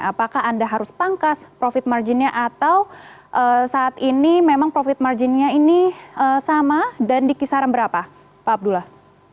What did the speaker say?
apakah anda harus pangkas profit marginnya atau saat ini memang profit marginnya ini sama dan di kisaran berapa pak abdullah